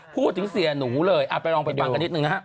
พูดถึงเสียหนูเลยไปลองไปฟังกันนิดนึงนะฮะ